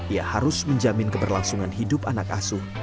ia harus menjamin keberlangsungan hidup anak asuh